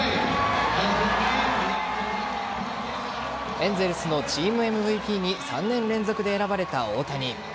エンゼルスのチームＭＶＰに３年連続で選ばれた大谷。